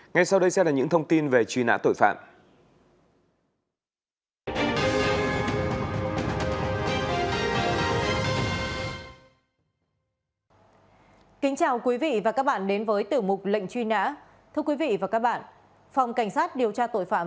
ngay sau đây sẽ là những thông tin về truy nã tội phạm